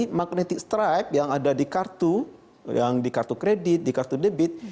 ini magnetic stripe yang ada di kartu yang di kartu kredit di kartu debit